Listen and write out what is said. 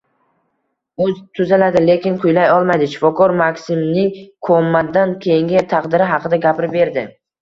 “U tuzaladi, lekin kuylay olmaydi”. Shifokor MakSimning komadan keyingi taqdiri haqida gapirib berdi